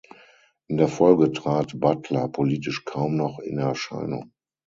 In der Folge trat Butler politisch kaum noch in Erscheinung.